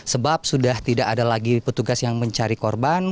sebab sudah tidak ada lagi petugas yang mencari korban